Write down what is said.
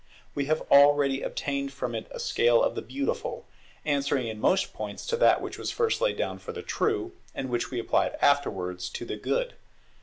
We have already obtained from it a scale of the Beautiful, answering in most points to that which was first laid down for the True, and which we applied afterwards to the Good.